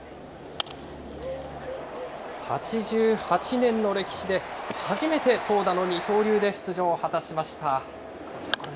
８８年の歴史で初めて投打の二刀流で出場を果たしました。